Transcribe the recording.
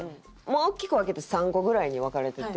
大きく分けて３個ぐらいに分かれてて。